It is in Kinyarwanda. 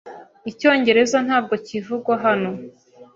Icyongereza ntabwo kivugwa hano.